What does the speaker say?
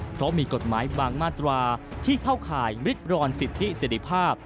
เพราะมีกฎหมายบางมาตราที่เข้าข่ายริดรอนสิทธิเสร็จภาพ